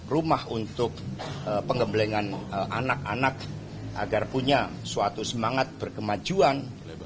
rumah untuk pengembelengan anak anak agar punya suatu semangat berkemajuan